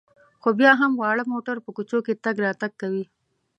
خو بیا هم واړه موټر په کوڅو کې تګ راتګ کوي.